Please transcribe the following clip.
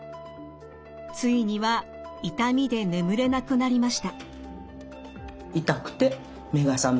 ついには痛みで眠れなくなりました。